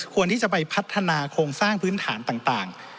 ที่จะไปพัฒนาโครงสร้างพื้นฐานต่าง